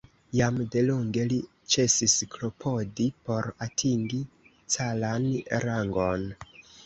Jam delonge li ĉesis klopodi por atingi caran rangon.